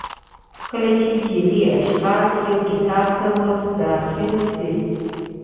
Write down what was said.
کله چې جعلي اشخاص یو کتاب ته ور داخل شي.